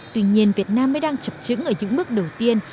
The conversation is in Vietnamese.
tuy nhiên việt nam mới đang chập trứng ở những bước đầu tiên